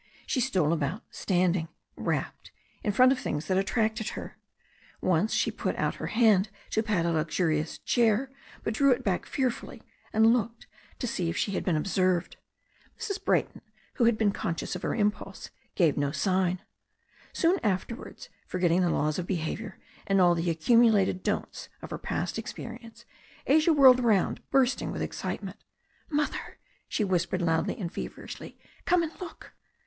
She stole about, standing, rapt, in front of things that at tracted her. Once she put out her hand to pat a luxurious chair, but drew it back fearfully, and looked to see if she had been observed. Mrs. Brayton, who had been conscious of her impulse, gave no sigiL Soon afterwards, forgetting the laws of behaviour and all the acciunulated "don'ts" of her past experience, Asia whirled round, bursting with excitement "Mother," she whispered loudly and feverishly, "come and look."